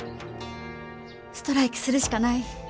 ストライキするしかない。